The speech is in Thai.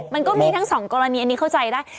มันก็มีทั้งสองกรณีอันนี้เข้าใจได้